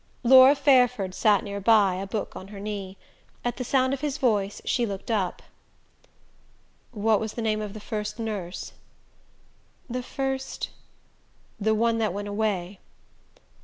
Laura Fairford sat near by, a book on her knee. At the sound of his voice she looked up. "What was the name of the first nurse?" "The first ?" "The one that went away."